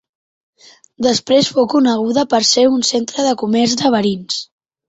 Després fou coneguda per ser un centre de comerç de verins.